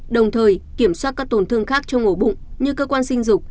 đồng thời kiểm soát các tổn thương khác trong ổ bụng như cơ quan sinh dục